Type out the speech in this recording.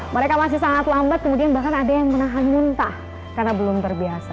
mereka masih sangat lambat kemudian bahkan ada yang menahan muntah karena belum terbiasa